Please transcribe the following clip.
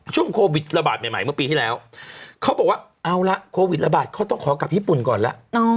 ช่วงโควิดระบาดใหม่เมื่อปีที่แล้วเขาบอกว่าเอาละโควิดระบาดเขาต้องขอกลับญี่ปุ่นก่อนแล้ว